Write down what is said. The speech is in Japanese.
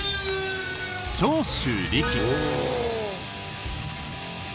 長州力。